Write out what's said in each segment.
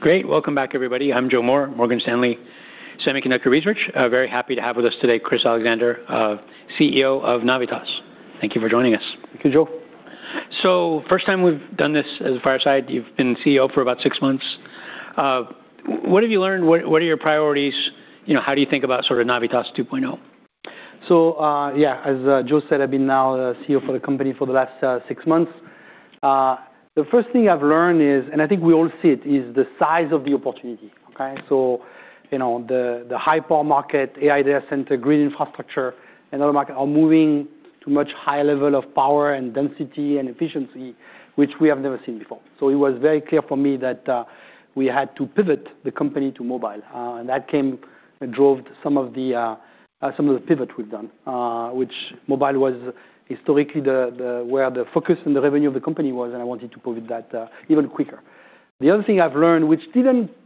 Great. Welcome back, everybody. I'm Joe Moore, Morgan Stanley Semiconductor Research. very happy to have with us today, Chris Allexandre, CEO of Navitas. Thank you for joining us. Thank you, Joe. first time we've done this as a fireside. You've been CEO for about six months. What have you learned? What are your priorities? You know, how do you think about sort of Navitas 2.0? Yeah, as Joe said, I've been now the CEO for the company for the last six months. The first thing I've learned is, and I think we all see it, is the size of the opportunity. Okay. You know, the high power market, AI data center, grid infrastructure, and other market are moving to much higher level of power and density and efficiency, which we have never seen before. It was very clear for me that we had to pivot the company to mobile. That came and drove some of the pivot we've done, which mobile was historically the where the focus and the revenue of the company was, and I wanted to pivot that even quicker. The other thing I've learned, which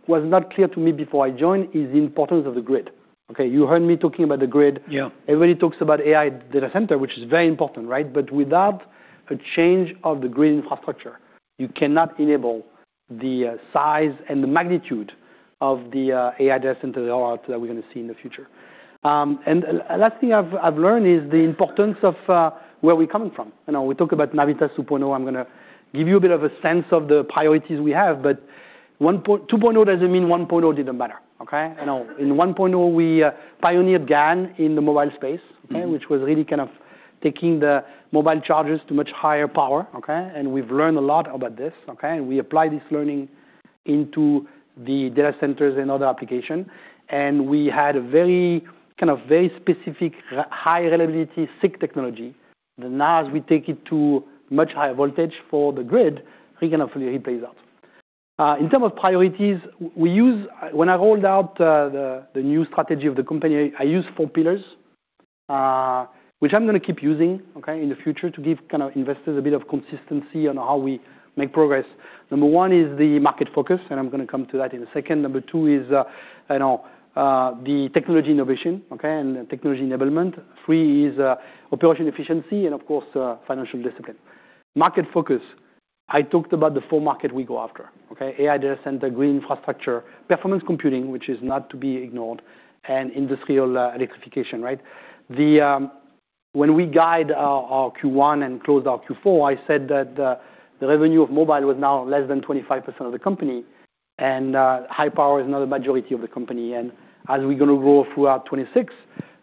was not clear to me before I joined, is the importance of the grid. Okay, you heard me talking about the grid. Yeah. Everybody talks about AI data center, which is very important, right? Without a change of the grid infrastructure, you cannot enable the size and the magnitude of the AI data center rollout that we're gonna see in the future. Last thing I've learned is the importance of where we're coming from. You know, we talk about Navitas 2.0. I'm gonna give you a bit of a sense of the priorities we have. 2.0 doesn't mean 1.0 didn't matter. Okay. You know, in 1.0, we pioneered GaN in the mobile space. Mm-hmm... which was really kind of taking the mobile chargers to much higher power. We've learned a lot about this, and we apply this learning into the data centers and other application. We had a very kind of very specific, high reliability SiC technology. Now as we take it to much higher voltage for the grid, we can fully replace that. In terms of priorities, we use when I rolled out the new strategy of the company, I used four pillars, which I'm gonna keep using in the future to give kind of investors a bit of consistency on how we make progress. Number one is the market focus. I'm gonna come to that in a second. Number two is, you know, the technology innovation and technology enablement. Three is operation efficiency, of course, financial discipline. Market focus. I talked about the four market we go after, okay? AI data center, grid infrastructure, performance computing, which is not to be ignored, and industrial electrification, right? When we guide our Q1 and close our Q4, I said that the revenue of mobile was now less than 25% of the company, high power is now the majority of the company. As we're gonna grow throughout 2026,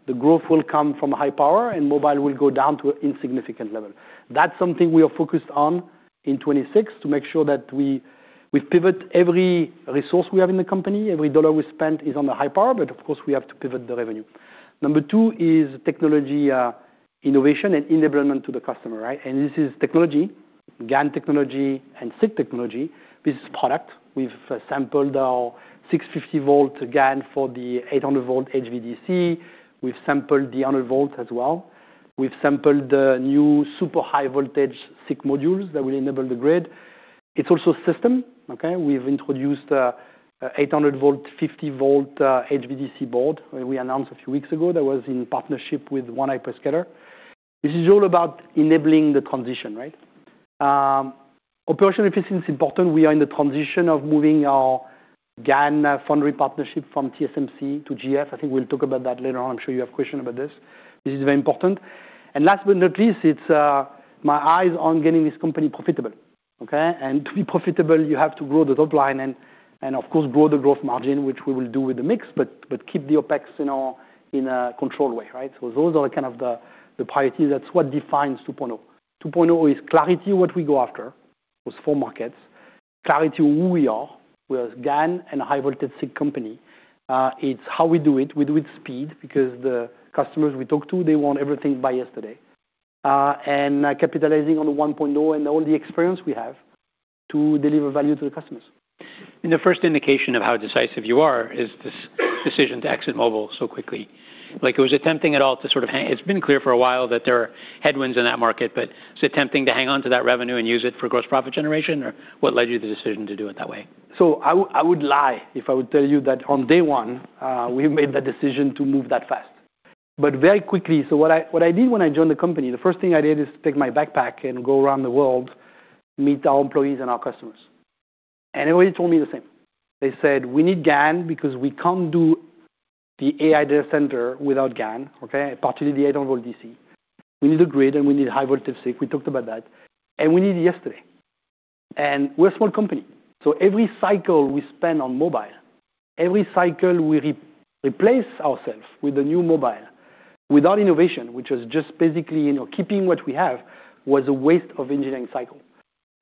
the growth will come from high power, and mobile will go down to an insignificant level. That's something we are focused on in 2026 to make sure that we pivot every resource we have in the company. Every dollar we spend is on the high power, of course, we have to pivot the revenue. Number two is technology, innovation and enablement to the customer, right? This is technology, GaN technology and SiC technology. This is product. We've sampled our 650 volt GaN for the 800 volt HVDC. We've sampled the 100 volt as well. We've sampled the new super high voltage SiC modules that will enable the grid. It's also system. Okay. We've introduced a 800 volt, 50 volt HVDC board we announced a few weeks ago that was in partnership with one hyperscaler. This is all about enabling the transition, right? Operation efficiency is important. We are in the transition of moving our GaN foundry partnership from TSMC to GF. I think we'll talk about that later on. I'm sure you have question about this. This is very important. Last but not least, it's my eyes on getting this company profitable, okay? To be profitable, you have to grow the top line and of course, grow the growth margin, which we will do with the mix, but keep the OpEx in a controlled way, right? Those are kind of the priorities. That's what defines 2.0. 2.0 is clarity what we go after, those four markets, clarity who we are. We're a GaN and a high voltage SiC company. It's how we do it. We do it speed because the customers we talk to, they want everything by yesterday. Capitalizing on the 1.0 and all the experience we have to deliver value to the customers. The first indication of how decisive you are is this decision to exit mobile so quickly. Like, was it tempting at all to sort of hang-- It's been clear for a while that there are headwinds in that market, but is it tempting to hang on to that revenue and use it for gross profit generation, or what led you the decision to do it that way? I would lie if I would tell you that on day one, we made the decision to move that fast. Very quickly, what I did when I joined the company, the first thing I did is take my backpack and go around the world, meet our employees and our customers. Everybody told me the same. They said, "We need GaN because we can't do the AI data center without GaN." Okay. Particularly the 800 volt DC. We need the grid, and we need high voltage SiC. We talked about that. We need it yesterday. We're a small company, every cycle we spend on mobile, every cycle we re-replace ourselves with a new mobile without innovation, which is just basically, you know, keeping what we have, was a waste of engineering cycle.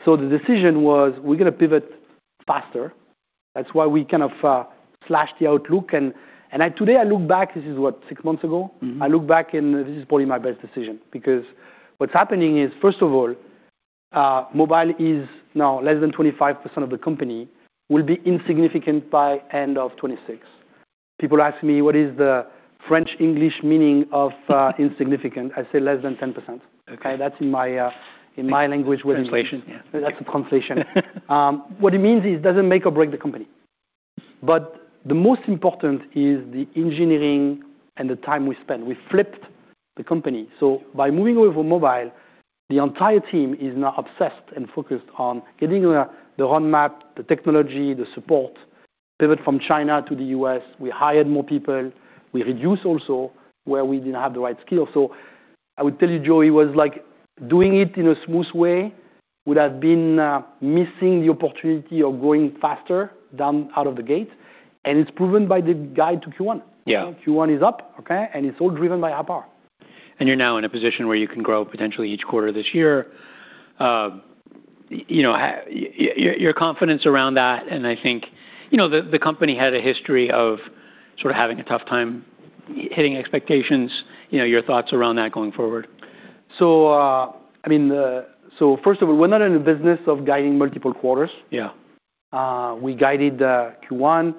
The decision was, we're gonna pivot faster. That's why we kind of slashed the outlook. Today I look back, this is what? six months ago. Mm-hmm. I look back and this is probably my best decision because what's happening is, first of all, mobile is now less than 25% of the company, will be insignificant by end of 2026. People ask me, what is the French English meaning of insignificant? I say less than 10%. Okay. That's in my in my language translation. Translation. Yeah. That's a translation. What it means is it doesn't make or break the company. The most important is the engineering and the time we spend. We flipped the company. By moving over mobile, the entire team is now obsessed and focused on getting the roadmap, the technology, the support. Pivot from China to the U.S. We hired more people. We reduced also where we didn't have the right skill. I would tell you, Joe, was like doing it in a smooth way would have been missing the opportunity of growing faster than out of the gate. It's proven by the guide to Q1. Yeah. Q1 is up, okay? It's all driven by high power. You're now in a position where you can grow potentially each quarter this year. you know, your confidence around that, and I think, you know, the company had a history of sort of having a tough time hitting expectations, you know, your thoughts around that going forward? I mean, first of all, we're not in the business of guiding multiple quarters. Yeah. We guided the Q1,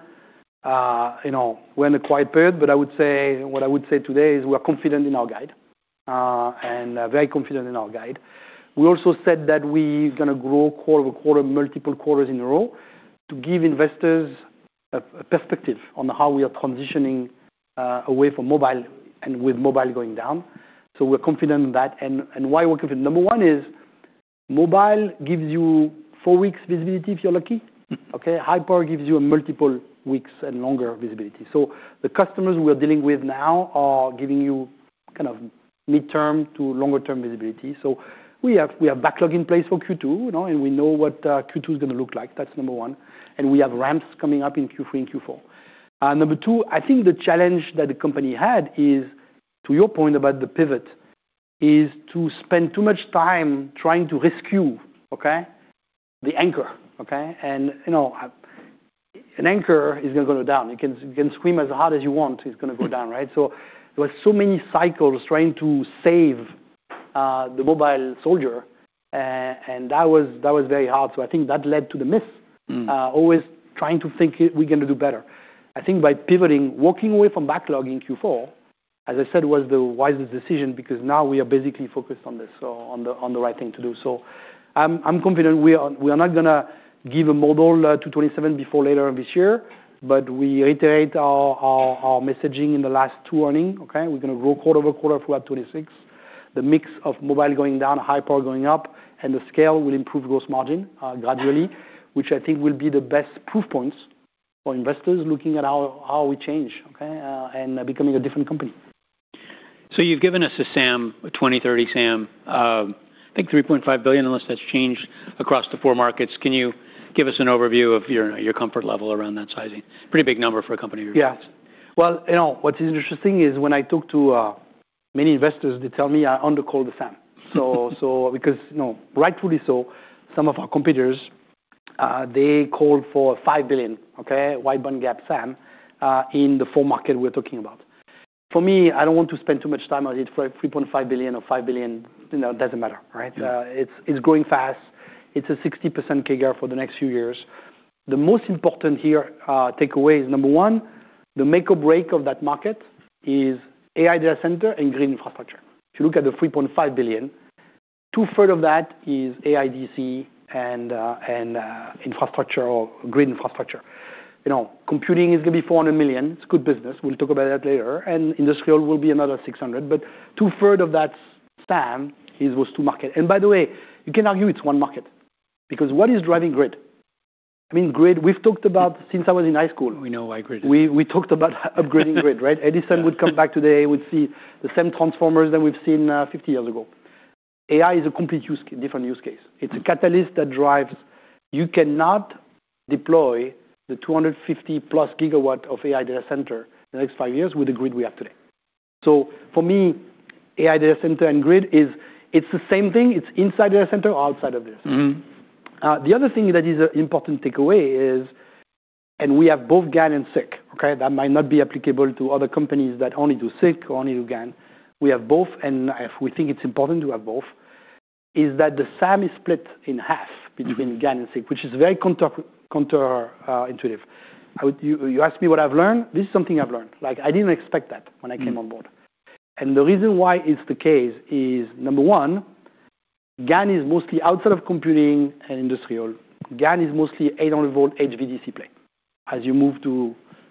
you know, we're in a quiet period, but what I would say today is we are confident in our guide, and very confident in our guide. We also said that we gonna grow quarter-over-quarter, multiple quarters in a row to give investors a perspective on how we are transitioning away from mobile and with mobile going down. We're confident in that. Why we're confident? Number one is mobile gives you four weeks visibility if you're lucky, okay? High power gives you a multiple weeks and longer visibility. The customers we're dealing with now are giving you kind of midterm to longer term visibility. We have backlog in place for Q2, you know, and we know what Q2 is gonna look like. That's Number one. We have ramps coming up in Q3 and Q4. Number two, I think the challenge that the company had is, to your point about the pivot, is to spend too much time trying to rescue, okay, the anchor, okay. You know, an anchor is gonna go down. You can scream as hard as you want, it's gonna go down, right? There were so many cycles trying to save the mobile soldier, and that was very hard. I think that led to the miss. Mm. Always trying to think we're gonna do better. I think by pivoting, walking away from backlog in Q4, as I said, was the wisest decision because now we are basically focused on this, so on the right thing to do. I'm confident we are not gonna give a model to 2027 before later this year, but we iterate our messaging in the last two earnings, okay. We're gonna grow quarter-over-quarter throughout 2026. The mix of mobile going down, high power going up, and the scale will improve gross margin gradually, which I think will be the best proof points for investors looking at how we change, okay, and becoming a different company. You've given us a SAM, a 2030 SAM, I think $3.5 billion unless that's changed across the four markets. Can you give us an overview of your comfort level around that sizing? Pretty big number for a company your size. Well, you know, what is interesting is when I talk to many investors, they tell me I undercalled the SAM. Because, you know, rightfully so, some of our competitors, they call for $5 billion, okay, wide bandgap SAM, in the four market we're talking about. For me, I don't want to spend too much time on it. For $3.5 billion or $5 billion, you know, it doesn't matter, right? It's growing fast. It's a 60% CAGR for the next few years. The most important here, takeaway is, number one, the make or break of that market is AI data center and grid infrastructure. If you look at the $3.5 billion, 2/3 of that is AIDC and infrastructure or grid infrastructure. You know, computing is gonna be $400 million. It's good business. We'll talk about that later. Industrial will be another $600. 2/3 of that SAM is those two market. By the way, you can argue it's one market, because what is driving grid? I mean, grid, we've talked about since I was in high school. We know why grid is. We talked about upgrading grid, right? Edison would come back today, would see the same transformers that we've seen, 50 years ago. AI is a complete different use case. It's a catalyst that drives. You cannot deploy the 250 plus GW of AI data center in the next five years with the grid we have today. For me, AI data center and grid, it's the same thing. It's inside data center or outside of data center. Mm-hmm. The other thing that is an important takeaway is, we have both GaN and SiC, okay? That might not be applicable to other companies that only do SiC or only do GaN. We have both, and we think it's important to have both, is that the SAM is split in half between GaN and SiC, which is very counter intuitive. You asked me what I've learned. This is something I've learned. Like, I didn't expect that when I came on board. The reason why it's the case is, number one, GaN is mostly outside of computing and industrial. GaN is mostly 800 volt HVDC play. As you move to,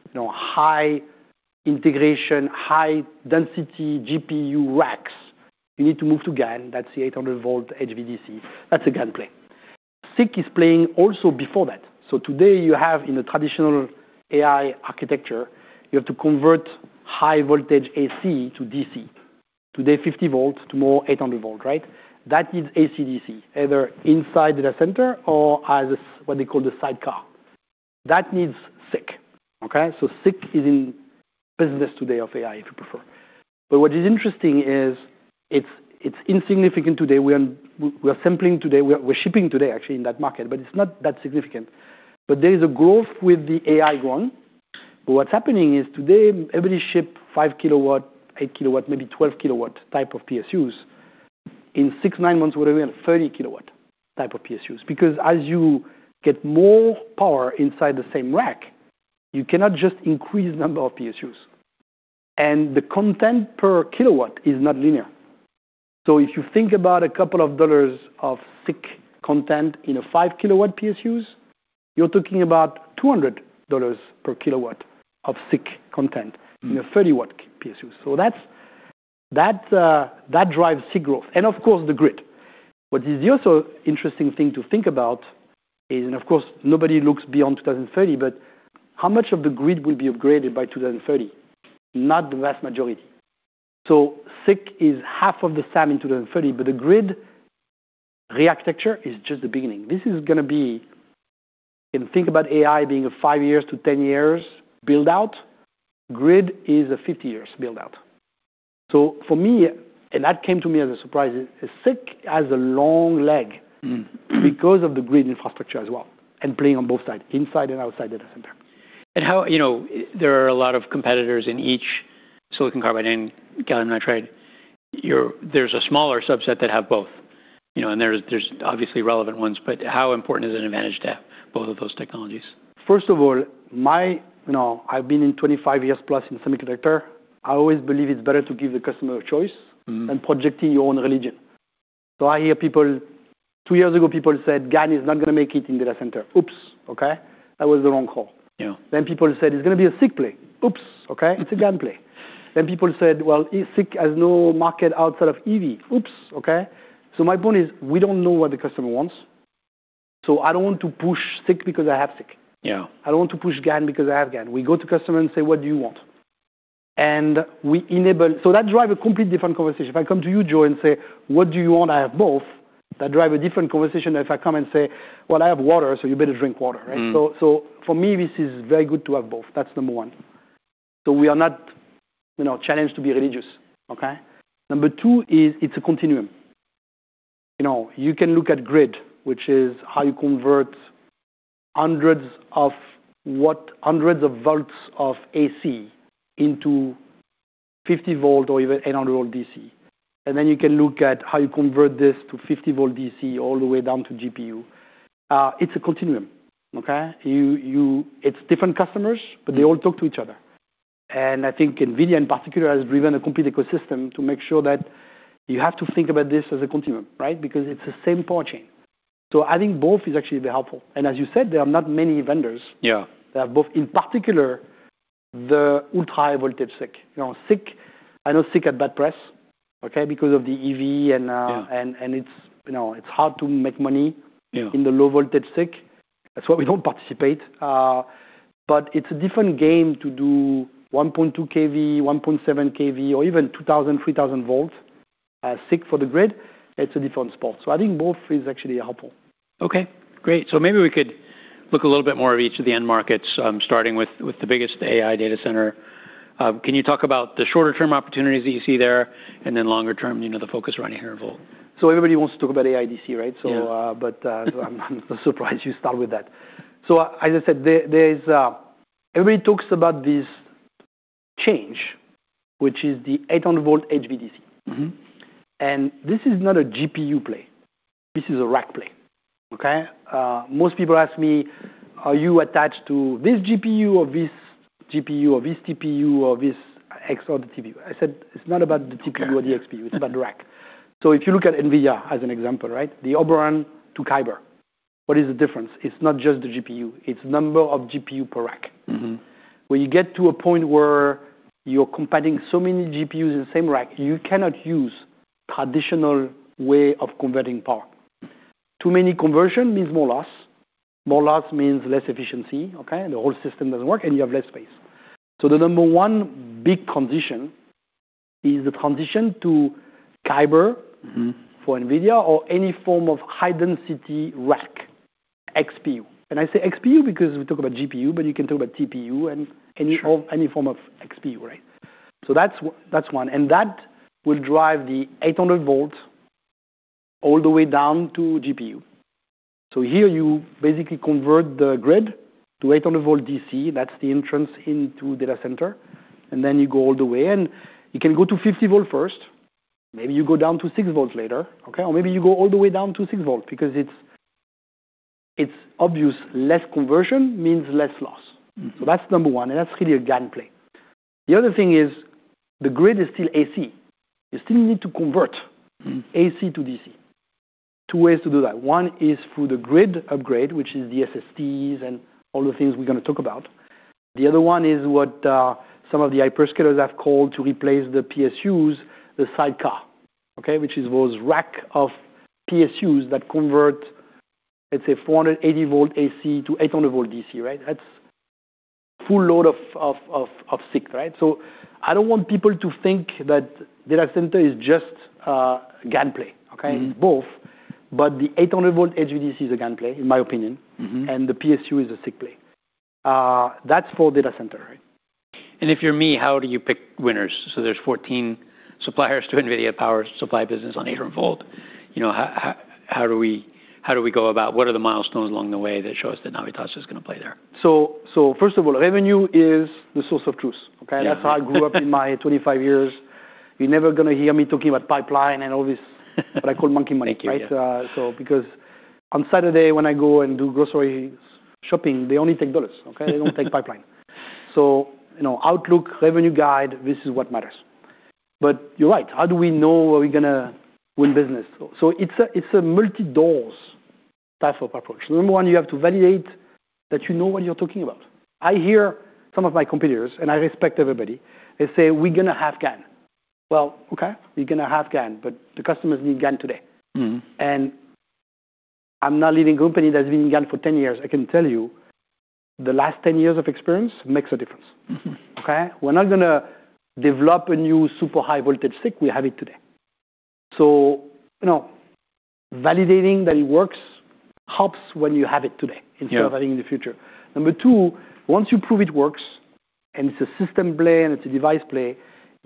you know, high integration, high density GPU racks, you need to move to GaN. That's the 800 volt HVDC. That's a GaN play. SiC is playing also before that. Today you have in a traditional AI architecture, you have to convert high voltage AC to DC. Today 50 volt, tomorrow 800 volt, right? That is AC-DC, either inside data center or as what they call the sidecar. That needs SiC. Okay? What is interesting is it's insignificant today. We are sampling today, we're shipping today actually in that market, but it's not that significant. There is a growth with the AI going. What's happening is today, everybody ship 5 kW, 8 kW, maybe 12 kW type of PSUs. In six-nine months, we're gonna be on 30 kW type of PSUs. As you get more power inside the same rack, you cannot just increase number of PSUs. The content per kiloW is not linear. If you think about a couple of dollars of SiC content in a 5 kW PSUs, you're talking about $200 per kW of SiC content. Mm-hmm. In a 30 W PSU. That drives SiC growth. Of course, the grid. What is the other interesting thing to think about is, and of course, nobody looks beyond 2030, but how much of the grid will be upgraded by 2030? Not the vast majority. SiC is half of the SAM in 2030, the grid restructure is just the beginning. This is going to be. Think about AI being a five years to ten years build-out. Grid is a 50 years build-out. For me, and that came to me as a surprise, is SiC has a long leg. Mm. Because of the grid infrastructure as well, and playing on both sides, inside and outside data center. How, you know, there are a lot of competitors in each silicon carbide and gallium nitride. There's a smaller subset that have both, you know, and there's obviously relevant ones, but how important is it an advantage to have both of those technologies? First of all, you know, I've been in 25 years plus in semiconductor. I always believe it's better to give the customer a choice. Mm-hmm. Than projecting your own religion. I hear. Two years ago, people said, "GaN is not gonna make it in data center." Oops, okay. That was the wrong call. Yeah. People said, "It's gonna be a SiC play." Oops, okay. It's a GaN play. People said, "Well, SiC has no market outside of EV." Oops, okay. My point is, we don't know what the customer wants. I don't want to push SiC because I have SiC. Yeah. I don't want to push GaN because I have GaN. We go to customer and say, "What do you want?" That drive a completely different conversation. If I come to you, Joe, and say, "What do you want? I have both," that drive a different conversation than if I come and say, "Well, I have water, so you better drink water," right? Mm. For me, this is very good to have both. That's number one. We are not, you know, challenged to be religious, okay? Number two is it's a continuum. You know, you can look at grid, which is how you convert hundreds of what? hundreds of volts of AC into 50 volt or even 800 volt DC. Then you can look at how you convert this to 50 volt DC all the way down to GPU. It's a continuum, okay? You. It's different customers. Mm. They all talk to each other. I think NVIDIA in particular has driven a complete ecosystem to make sure that you have to think about this as a continuum, right? It's the same power chain. I think both is actually very helpful. As you said, there are not many vendors. Yeah. That have both. In particular, the ultra high voltage SiC. You know, SiC, I know SiC had bad press, okay, because of the EV and. Yeah. It's, you know, it's hard to make money... Yeah. In the low voltage SiC. That's why we don't participate. It's a different game to do 1.2 kV, 1.7 kV, or even 2,000-3,000 volts SiC for the grid. It's a different sport. I think both is actually helpful. Okay, great. Maybe we could look a little bit more of each of the end markets, starting with the biggest, AI data center. Can you talk about the shorter term opportunities that you see there, and then longer term, you know, the focus around 800 volt? Everybody wants to talk about AIDC, right? Yeah. I'm surprised you start with that. As I said, there is Everybody talks about this change, which is the 800 volt HVDC. Mm-hmm. This is not a GPU play. This is a rack play, okay? Most people ask me, "Are you attached to this GPU or this GPU or this TPU or this X or the TPU?" I said, "It's not about the TPU- Okay. The XPU. It's about the rack." If you look at NVIDIA as an example, right? The Oberon to Kyber, what is the difference? It's not just the GPU. It's number of GPU per rack. Mm-hmm. When you get to a point where you're comparing so many GPUs in the same rack, you cannot use traditional way of converting power. Too many conversion means more loss. More loss means less efficiency, okay. The whole system doesn't work, and you have less space. The number one big transition is the transition to Kyber. Mm-hmm. For NVIDIA or any form of high-density rack XPU. I say XPU because we talk about GPU, but you can talk about TPU and any form- Sure. Any form of XPU, right? That's one. That will drive the 800 volt all the way down to GPU. Here you basically convert the grid to 800 volt DC. That's the entrance into data center. Then you go all the way in. You can go to 50 volt first. Maybe you go down to 6 volts later, okay? Maybe you go all the way down to 6 volt because it's obvious less conversion means less loss. Mm-hmm. That's number one, and that's really a GaN play. The other thing is the grid is still AC. You still need to convert. Mm. AC to DC. Two ways to do that. One is through the grid upgrade, which is the SSTs and all the things we're gonna talk about. The other one is what some of the hyperscalers have called to replace the PSUs, the sidecar, okay? Which is those rack of PSUs that convert, let's say, 480 volt AC to 800 volt DC, right? That's full load of SiC, right? So I don't want people to think that data center is just a GaN play, okay? Mm-hmm. It's both. The 800 volt HVDC is a GaN play, in my opinion. Mm-hmm. The PSU is a SiC play. That's for data center, right? If you're me, how do you pick winners? There's 14 suppliers to NVIDIA power supply business on 800 volt. You know, how do we go about what are the milestones along the way that shows that Navitas is gonna play there? First of all, revenue is the source of truth, okay? Yeah. That's how I grew up in my 25 years. You're never gonna hear me talking about pipeline, what I call monkey money, right? Thank you, yeah. Because on Saturday when I go and do grocery shopping, they only take dollars, okay? They don't take pipeline. You know, outlook, revenue guide, this is what matters. You're right. How do we know are we gonna win business? It's a multi-doors type of approach. Number one, you have to validate that you know what you're talking about. I hear some of my competitors, I respect everybody. They say, "We're gonna have GaN." Okay, you're gonna have GaN, the customers need GaN today. Mm-hmm. I'm now leading a company that's been in GaN for 10 years. I can tell you the last 10 years of experience makes a difference. Okay? We're not gonna develop a new super high voltage SiC. We have it today. You know, validating that it works helps when you have it today. Yeah. -instead of having in the future. Number two, once you prove it works, and it's a system play and it's a device play,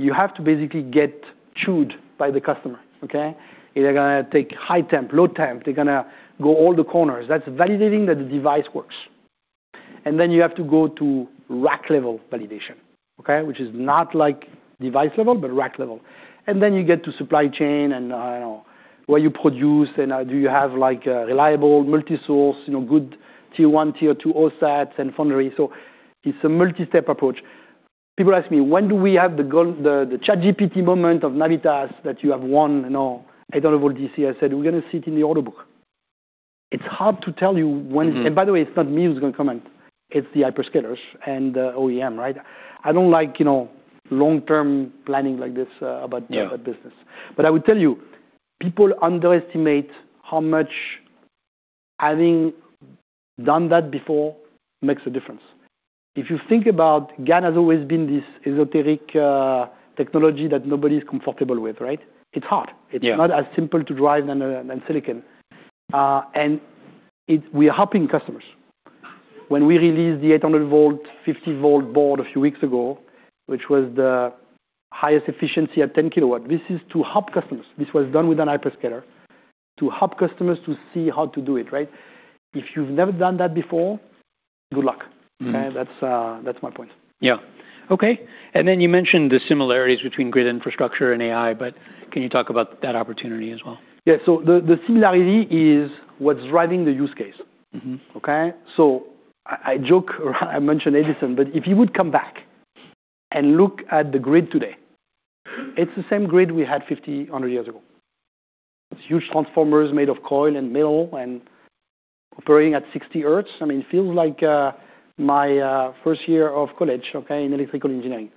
you have to basically get chewed by the customer. Okay? They're gonna take high temp, low temp, they're gonna go all the corners. That's validating that the device works. Then you have to go to rack-level validation, okay? Which is not like device level, but rack level. Then you get to supply chain and where you produce, and do you have, like, a reliable multi-source, you know, good tier one, tier two OSATs and foundry. It's a multi-step approach. People ask me, "When do we have the ChatGPT moment of Navitas that you have one, you know, 800 volt DC?" I said, "We're gonna see it in the order book." It's hard to tell you when- Mm. By the way, it's not me who's gonna comment. It's the hyperscalers and the OEM, right? I don't like, you know, long-term planning like this. Yeah. about business. I would tell you, people underestimate how much having done that before makes a difference. If you think about GaN has always been this esoteric technology that nobody is comfortable with, right? It's hard. Yeah. It's not as simple to drive than silicon. We are helping customers. When we released the 800 volt, 50 volt board a few weeks ago, which was the highest efficiency at 10 kW. This is to help customers. This was done with an hyperscaler to help customers to see how to do it, right? If you've never done that before, good luck. Mm. Okay? That's, that's my point. Yeah. Okay. You mentioned the similarities between grid infrastructure and AI. Can you talk about that opportunity as well? Yeah. The similarity is what's driving the use case. Mm-hmm. Okay? I joke or I mention Edison. If he would come back and look at the grid today, it's the same grid we had 50, 100 years ago. It's huge transformers made of coil and metal and operating at 60 hertz. I mean, it feels like my first year of college, okay, in electrical engineering.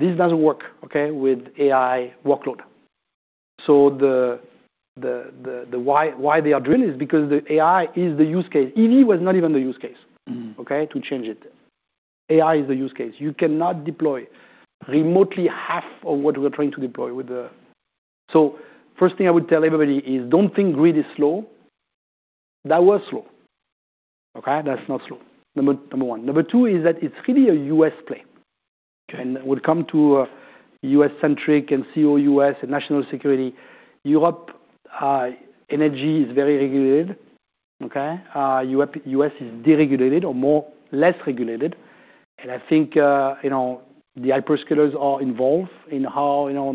This doesn't work, okay, with AI workload. The why they are drilling is because the AI is the use case. EV was not even the use case- Mm. Okay, to change it. AI is the use case. You cannot deploy remotely half of what we're trying to deploy with the. First thing I would tell everybody is don't think grid is slow. That was slow. Okay. That's not slow, number one. Number two is that it's really a U.S. play. Okay. We'll come to U.S.-centric and CEO U.S. and national security. Europe, energy is very regulated. Okay? U.S. is deregulated or more less regulated. I think, you know, the hyperscalers are involved in how, you know,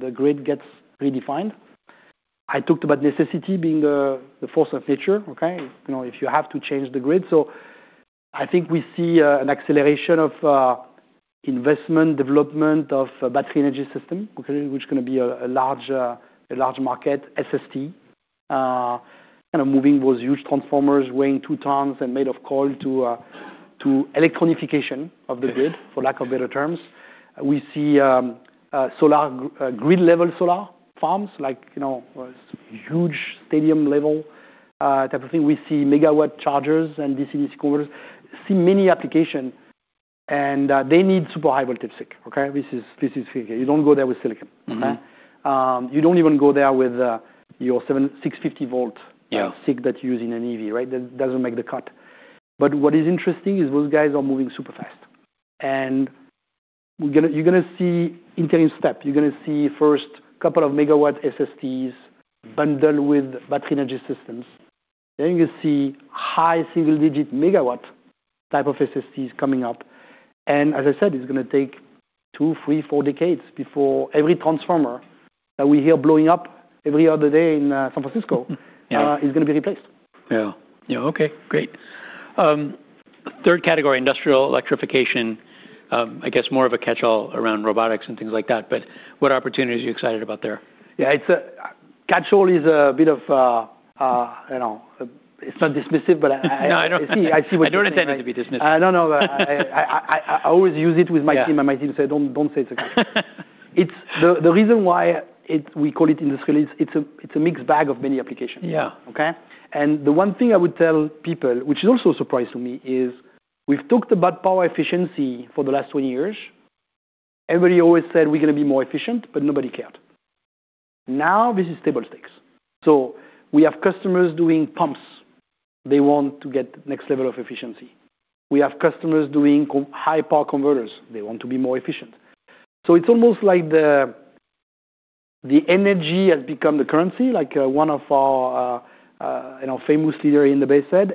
the grid gets redefined. I talked about necessity being the force of nature, okay? You know, if you have to change the grid. I think we see an acceleration of investment, development of Battery Energy Storage System, okay, which is gonna be a large market, SST. Kind of moving those huge transformers weighing 2 tons and made of coil to electronification of the grid for lack of better terms. We see solar grid level solar farms like, you know, huge stadium level type of thing. We see megaW chargers and DC-to-DC converters. See many application, and they need super high voltage SiC. Okay? This is SiC. You don't go there with silicon. Mm-hmm. Okay? You don't even go there with your 650 volt-. Yeah. SiC that you use in an EV, right? That doesn't make the cut. What is interesting is those guys are moving super fast. You're gonna see interesting step. You're gonna see first couple of megaW SSTs bundle with battery energy systems. You see high single-digit megaW type of SSTs coming up. As I said, it's gonna take two, three, four decades before every transformer that we hear blowing up every other day in San Francisco. Yeah., is gonna be replaced. Yeah. Yeah. Okay, great. Third category, industrial electrification. I guess more of a catch-all around robotics and things like that, but what opportunities are you excited about there? Yeah. Catch-all is a bit of, you know, it's not dismissive, but. No, I don't. I see, I see what you mean. I don't intend it to be dismissive. I don't know. I always use it with my team. Yeah. My team say, "Don't say it's a catch-all." The reason why we call it industrial is it's a mixed bag of many applications. Yeah. Okay? The one thing I would tell people, which is also a surprise to me, is we've talked about power efficiency for the last 20 years. Everybody always said, "We're gonna be more efficient," but nobody cared. Now this is table stakes. We have customers doing pumps. They want to get next level of efficiency. We have customers doing high power converters. They want to be more efficient. It's almost like the energy has become the currency, like, one of our, you know, famous leader in the Bay said,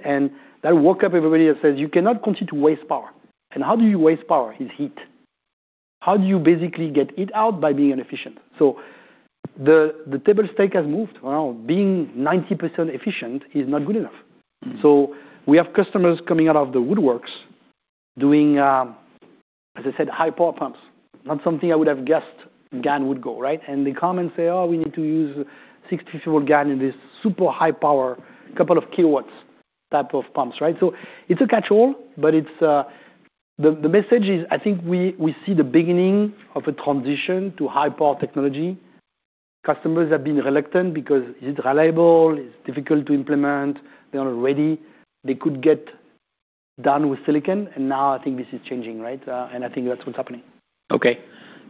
that woke up everybody and says, "You cannot continue to waste power." How do you waste power? Is heat. How do you basically get it out? By being efficient. The table stake has moved. You know, being 90% efficient is not good enough. Mm-hmm. We have customers coming out of the woodworks doing, as I said, high power pumps. Not something I would have guessed GaN would go, right? They come and say, "Oh, we need to use 64 GaN in this super high power, couple of kiloWs type of pumps," right? It's a catch-all, but it's. The message is, I think we see the beginning of a transition to high power technology. Customers have been reluctant because is it reliable? It's difficult to implement. They're not ready. They could get done with silicon, and now I think this is changing, right? I think that's what's happening. Okay,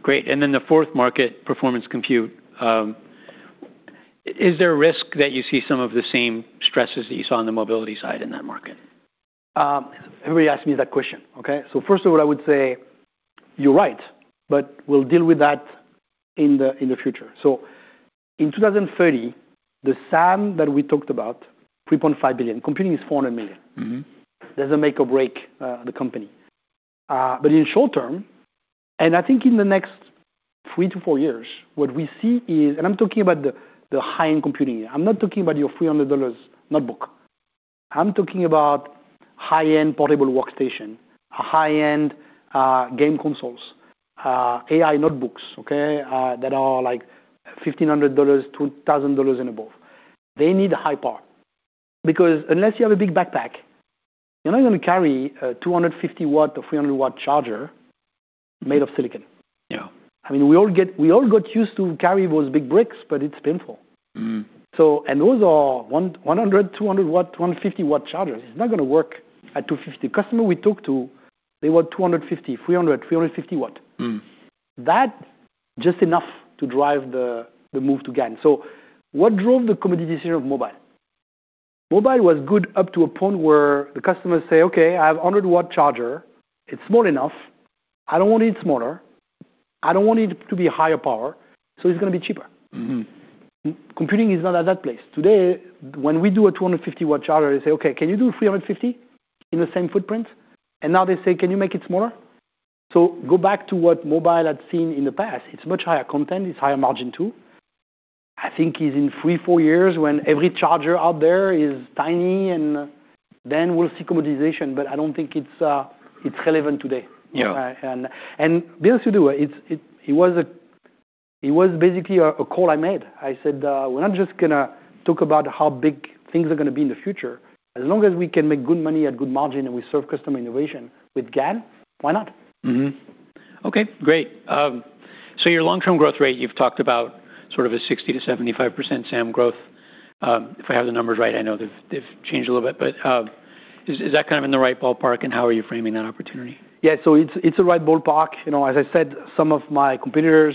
great. The fourth market, performance compute. Is there a risk that you see some of the same stresses that you saw on the mobility side in that market? Everybody asks me that question, okay. First of all, I would say you're right, but we'll deal with that in the future. In 2030, the SAM that we talked about, $3.5 billion, computing is $400 million. Mm-hmm. Doesn't make or break the company. In short term, and I think in the next three-four years, what we see is. I'm talking about the high-end computing. I'm not talking about your $300 notebook. I'm talking about high-end portable workstation, high-end game consoles, AI notebooks, okay, that are, like, $1,500, $2,000 and above. They need high power because unless you have a big backpack, you're not gonna carry a 250 W-300 W charger made of silicon. Yeah. I mean, we all got used to carry those big bricks, but it's painful. Mm-hmm. Those are 100, 200 W, 250 W chargers. It's not gonna work at 250. Customer we talked to, they want 250, 300, 350 W. Mm-hmm. That just enough to drive the move to GaN. What drove the commoditization of mobile? Mobile was good up to a point where the customers say, "Okay, I have a 100 W charger. It's small enough. I don't want it smaller. I don't want it to be higher power, so it's gonna be cheaper. Mm-hmm. Computing is not at that place. Today, when we do a 250 W charger, they say, "Okay, can you do 350 in the same footprint?" Now they say, "Can you make it smaller?" Go back to what mobile had seen in the past. It's much higher content. It's higher margin too. I think it's in three, four years when every charger out there is tiny and then we'll see commoditization. I don't think it's relevant today. Yeah. Be able to do it. It was basically a call I made. I said, we're not just gonna talk about how big things are gonna be in the future. As long as we can make good money at good margin and we serve customer innovation with GaN, why not? Mm-hmm. Okay, great. Your long-term growth rate, you've talked about sort of a 60%-75% SAM growth. If I have the numbers right, I know they've changed a little bit. Is that kind of in the right ballpark, and how are you framing that opportunity? Yeah. It's the right ballpark. You know, as I said, some of my competitors,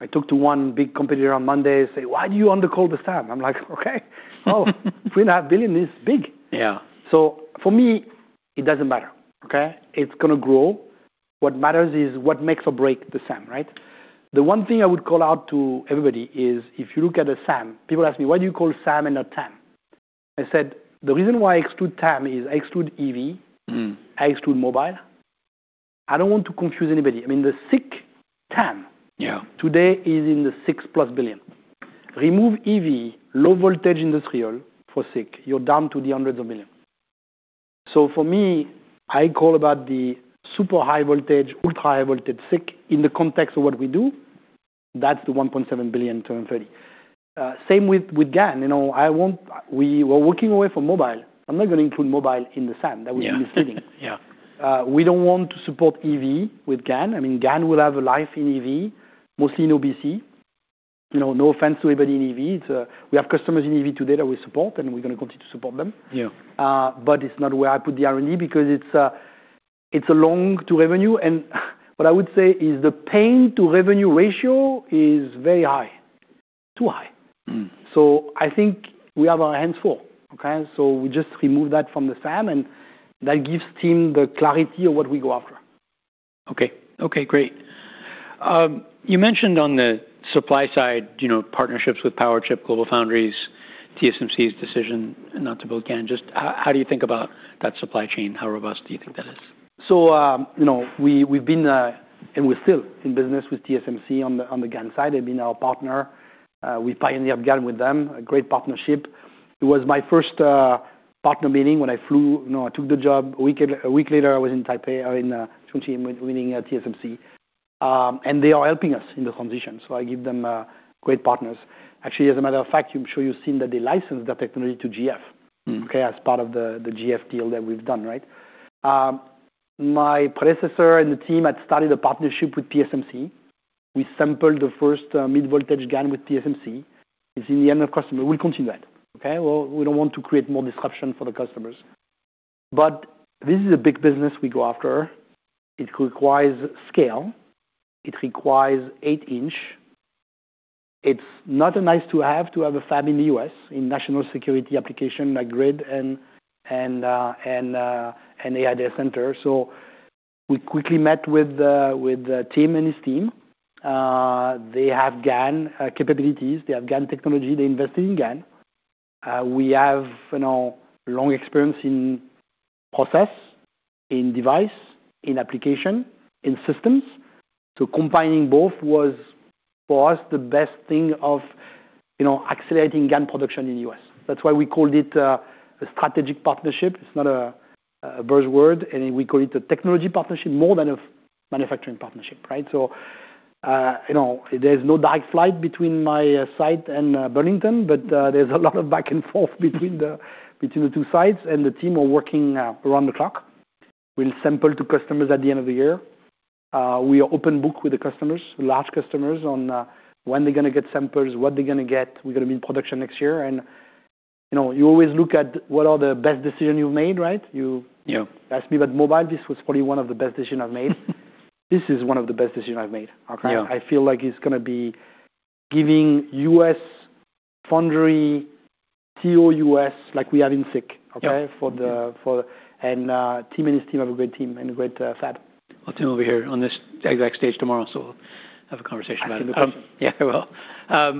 I talked to one big competitor on Monday, say, "Why do you under call the SAM?" I'm like, "Okay. Well, $3.5 billion is big. Yeah. For me, it doesn't matter, okay? It's gonna grow. What matters is what makes or break the SAM, right? The one thing I would call out to everybody is if you look at a SAM, people ask me, "Why do you call SAM and not TAM?" I said, "The reason why I exclude TAM is I exclude EV. Mm. I exclude mobile. I don't want to confuse anybody. I mean, the SiC TAM- Yeah. Today is in the $6+ billion. Remove EV, low voltage industrial for SiC, you're down to the hundreds of million. For me, I call about the super high voltage, ultra high voltage SiC in the context of what we do. That's the $1.7 billion in 2030. Same with GaN. You know, we were walking away from mobile. I'm not gonna include mobile in the SAM. Yeah. That would be misleading. Yeah. We don't want to support EV with GaN. I mean, GaN will have a life in EV, mostly in OBC. You know, no offense to anybody in EV. It's, we have customers in EV today that we support, and we're gonna continue to support them. Yeah. It's not where I put the R&D because it's a long to revenue. What I would say is the pain to revenue ratio is very high. Too high. Mm. I think we have our hands full, okay? We just remove that from the SAM, and that gives team the clarity of what we go after. Okay. Great. You mentioned on the supply side, you know, partnerships with Powerchip, GlobalFoundries, TSMC's decision not to build GaN. Just how do you think about that supply chain? How robust do you think that is? You know, we've been, and we're still in business with TSMC on the GaN side. They've been our partner. We pioneered GaN with them, a great partnership. It was my first partner meeting when I flew. You know, I took the job. A week later, I was in Taipei, or in [Chun-Tien meeting at TSMC. They are helping us in the transition, so I give them great partners. Actually, as a matter of fact, I'm sure you've seen that they licensed the technology to GF. Mm. Okay. As part of the GF deal that we've done, right? My predecessor and the team had started a partnership with TSMC. We sampled the first mid-voltage GaN with TSMC. It's in the end of customer. We'll continue that, okay? We don't want to create more disruption for the customers. This is a big business we go after. It requires scale. It requires eight-inch. It's not a nice to have to have a fab in the U.S. in national security application like grid and AI data center. We quickly met with Tim and his team. They have GaN capabilities. They have GaN technology. They invested in GaN. We have, you know, long experience in process, in device, in application, in systems. Combining both was, for us, the best thing of, you know, accelerating GaN production in the U.S. That's why we called it a strategic partnership. It's not a buzzword. We call it a technology partnership more than a manufacturing partnership, right? You know, there's no direct flight between my site and Burlington, but there's a lot of back and forth between the two sites. The team are working around the clock. We'll sample to customers at the end of the year. We are open book with the customers, large customers, on when they're gonna get samples, what they're gonna get. We're gonna be in production next year. You know, you always look at what are the best decision you've made, right? You— Yeah. You asked me about mobile. This was probably one of the best decisions I've made. This is one of the best decisions I've made, okay? Yeah. I feel like it's gonna be giving U.S. foundry to U.S. like we have in SiC, okay? Yeah. For Tim and his team have a great team and a great fab. Well, Tim will be here on this exact stage tomorrow, we will have a conversation about it. I can look for him. Yeah, I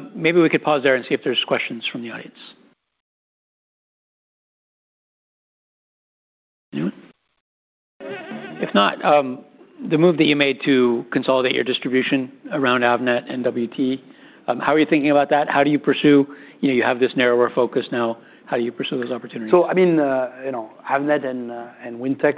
will. Maybe we could pause there and see if there's questions from the audience. No? If not, the move that you made to consolidate your distribution around Avnet and WT, how are you thinking about that? How do you pursue? You know, you have this narrower focus now. How do you pursue those opportunities? I mean, you know, Avnet and Wintec